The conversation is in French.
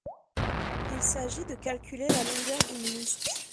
Il s'agit de calculer la longueur d'une liste.